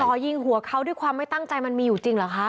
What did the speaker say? ยิงหัวเขาด้วยความไม่ตั้งใจมันมีอยู่จริงเหรอคะ